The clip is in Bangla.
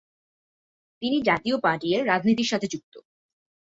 তিনি জাতীয় পার্টির এর রাজনীতির সাথে যুক্ত।